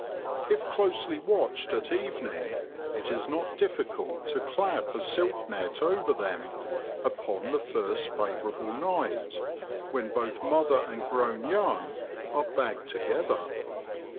If closely watched at evening, it is not difficult to clap a silk net over them upon the first favourable night, when both mother and grown young are bagged together.